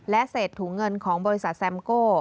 และเศษถุงเงินของบริษัทแซมโก้